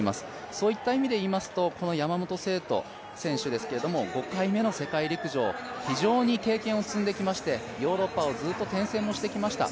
そういった意味で言いますと山本聖途選手ですけれども、５回目の世界陸上、非常に経験を積んできまして、ヨーロッパをずっと転戦もしてきました。